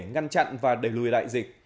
ngăn chặn và đẩy lùi lại dịch